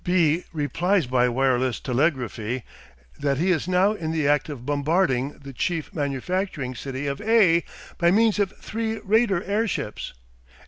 B replies by wireless telegraphy that he is now in the act of bombarding the chief manufacturing city of A by means of three raider airships.